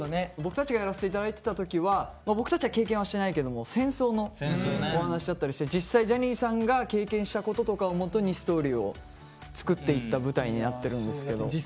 僕たちがやらせて頂いてた時は僕たちは経験はしてないけども戦争のお話だったりして実際ジャニーさんが経験したこととかをもとにストーリーを作っていった舞台になってるんですけど。